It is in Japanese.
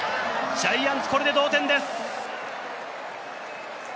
笑顔の坂本、ジャイアンツ、これで同点です。